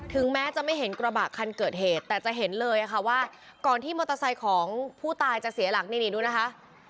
แม้จะไม่เห็นกระบะคันเกิดเหตุแต่จะเห็นเลยค่ะว่าก่อนที่มอเตอร์ไซค์ของผู้ตายจะเสียหลักนี่นี่ดูนะคะ